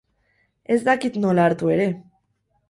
Ez dakit nola hartu ere.